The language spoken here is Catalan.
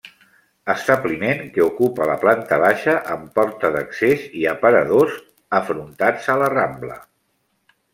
Establiment que ocupa la planta baixa amb porta d'accés i aparadors afrontats a la Rambla.